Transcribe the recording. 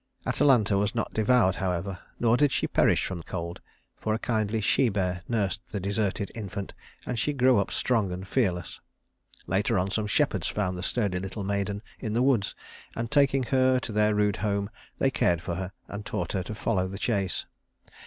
Atalanta was not devoured, however, nor did she perish from cold, for a kindly she bear nursed the deserted infant, and she grew up strong and fearless. Later on some shepherds found the sturdy little maiden in the woods; and taking her to their rude home, they cared for her, and taught her to follow the chase.